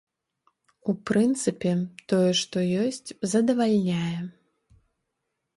У прынцыпе, тое, што ёсць, задавальняе.